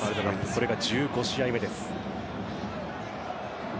これが１５試合目です。